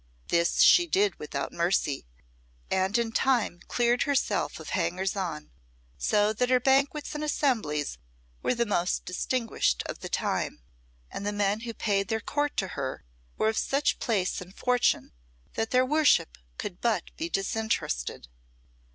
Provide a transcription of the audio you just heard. This she did without mercy, and in time cleared herself of hangers on, so that her banquets and assemblies were the most distinguished of the time, and the men who paid their court to her were of such place and fortune that their worship could but be disinterested.